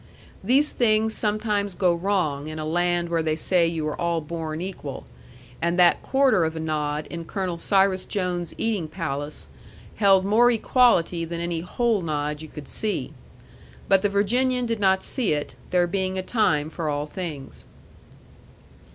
These things sometimes go wrong in a land where they say you are all born equal; and that quarter of a nod in Colonel Cyrus Jones's eating palace held more equality than any whole nod you could see. But the Virginian did not see it, there being a time for all things.